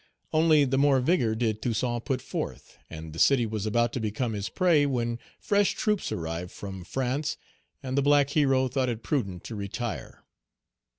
Only the more vigor did Toussaint put forth, and the city was about to become his prey when fresh troops arrived from France, and the black hero thought it prudent to retire.